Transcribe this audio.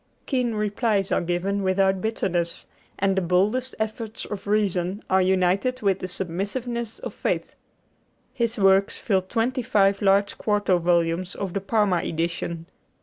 Keen replies are given without bitterness, and the boldest efforts of reason are united with the submissiveness of faith. His works fill twenty five large quarto volumes of the Parma edition.